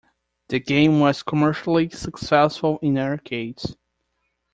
The game was commercially successful in arcades.